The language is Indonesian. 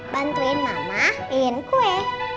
bantuin mama bikin kue